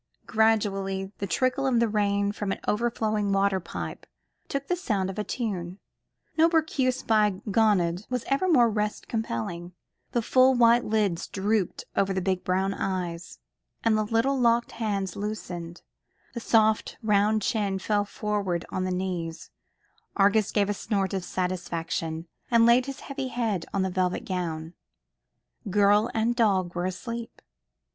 Gradually the trickle of the rain from an overflowing waterpipe took the sound of a tune. No berceuse by Gounod was ever more rest compelling. The full white lids drooped over the big brown eyes, the little locked hands loosened, the soft round chin fell forward on the knees; Argus gave a snort of satisfaction, and laid his heavy head on the velvet gown. Girl and dog were asleep.